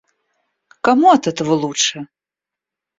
Кому от этого лучше?